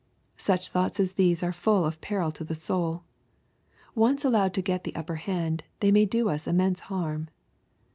— Such thoughts as these are full of peril to the soul. Once allowed to get the upper hand, they may do us immense harm.